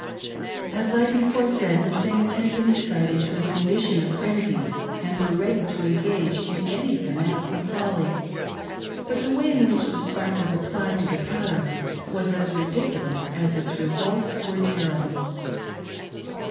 .. As I before said, the Saints had been excited to a condition THE REIGN OF TERROR IN UTAH. 313 of frenzy and were ready to engage in any fanatical folly, but the way in which the spark was applied to the powder was as ridiculous as its results were terrible.